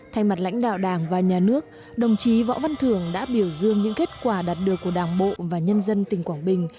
thay mặt lãnh đạo đảng và nhà nước đồng chí võ văn thường đã biểu dương những kết quả đạt được của đảng bộ và nhân dân tỉnh quảng bình